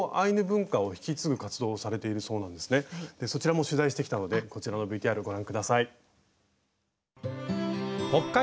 そちらも取材してきたのでこちらのＶＴＲご覧下さい。